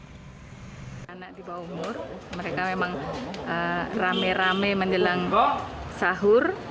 sebelum berjalan ke rumah anak anak di bawah umur mereka memang rame rame menjelang sahur